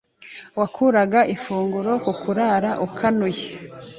wakuraga ifunguro ku kurara ukanuye